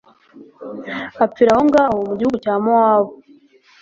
apfira aho ngaho mu gihugu cya mowabu